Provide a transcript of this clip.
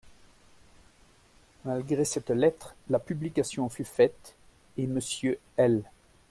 Malgré cette lettre, la publication fut faite et Monsieur L.